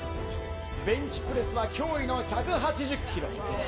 ベンチプレスは驚異の１８０キロ。